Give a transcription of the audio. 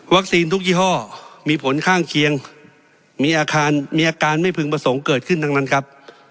ทุกยี่ห้อมีผลข้างเคียงมีอาการมีอาการไม่พึงประสงค์เกิดขึ้นทั้งนั้นครับ